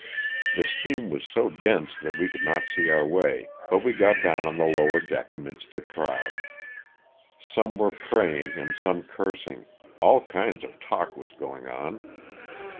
The steam was so dense that we could not see our way, but we got down on the lower deck amidst the crowd. Some were praying and some cursing; all kinds of talk was going on.